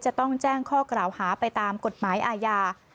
จะต้องแจ้งข้อกล่าวหาไปตามกฎหมายอาญา